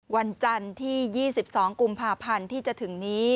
วันจันทร์ที่๒๒กุมภาพันธ์ที่จะถึงนี้